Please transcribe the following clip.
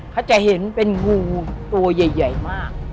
เขาจะเห็นเป็นงูตัวใหญ่มาก